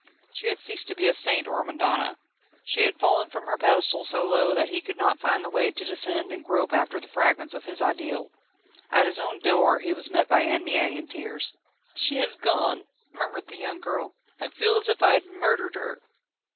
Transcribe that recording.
She had ceased to be a saint or a madonna; she had fallen from her pedestal so low that he could not find the way to descend and grope after the fragments of his ideal. At his own door he was met by Anne Mie in tears. "She has gone," murmured the young girl. "I feel as if I had murdered her."